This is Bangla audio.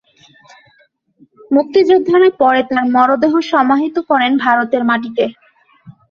মুক্তিযোদ্ধারা পরে তার মরদেহ সমাহিত করেন ভারতের মাটিতে।